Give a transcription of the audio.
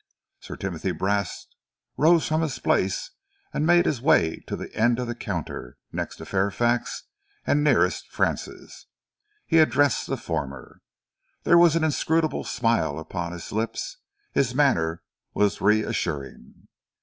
Sir Timothy Brast rose from his place and made his way to the end of the counter, next to Fairfax and nearest Francis. He addressed the former. There was an inscrutable smile upon his lips, his manner was reassuring.